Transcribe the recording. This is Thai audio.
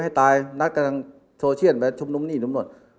กันให้ตายนักการโซเชียตัวยาชุมนมหนี้นมหมด